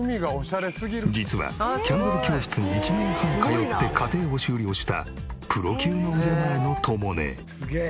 実はキャンドル教室に１年半通って課程を修了したプロ級の腕前のとも姉。